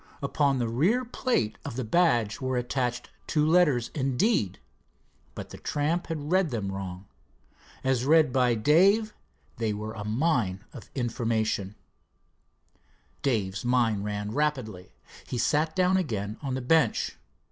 Upon the rear plate of the badge were scratched two letters, indeed but the tramp had read them wrong. As read by Dave they were a mine of information. Dave's mind ran rapidly. He sat down again on the bench.